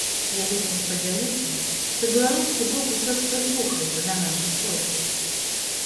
Я вельмі спадзяюся, што беларускі бок усё ж прыслухаецца да нашых просьбаў.